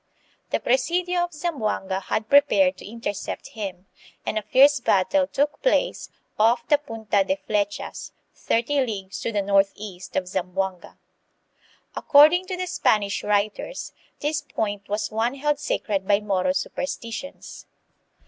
The presidio of Zamboanga had prepared to intercept him and a fierce battle *. took place off the Punta de Flechas, thirty leagues to the northeast of Zamboanga. Ac cording to the Spanish writers, this point was one held sacred b y M o r o supersti tions.